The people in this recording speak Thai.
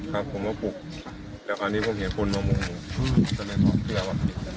ครับผมมาปลูกแล้วอันนี้ผมเห็นคนมามุมทำไมเขาเผื่อว่าไม่เจ็บเผื่อแล้ว